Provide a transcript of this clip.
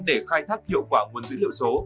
để khai thác hiệu quả nguồn dữ liệu số